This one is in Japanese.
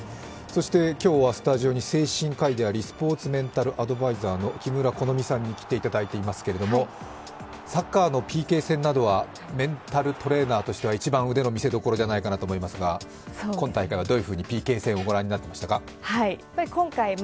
今日はスタジオに精神科医でありスポーツメンタルアドバイザーの木村好珠さんに来ていただいていますけどサッカーのＰＫ戦なんかはメンタルトレーナーとしては一番、腕の見せどころじゃないかなと思いますが今大会はどういうふうにＰＫ戦をご覧になっていましたか？